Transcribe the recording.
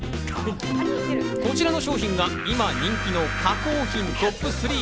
こちらの商品が今人気の加工品トップ３。